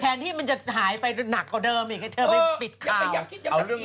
ที่มันจะหายไปหนักกว่าเดิมอีกให้เธอไปปิดข่าว